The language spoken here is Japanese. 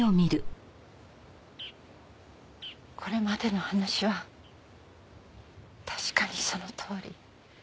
これまでの話は確かにそのとおり。